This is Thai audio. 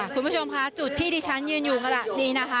คุณผู้ชมค่ะจุดที่ที่ฉันยืนอยู่ขนาดนี้นะคะ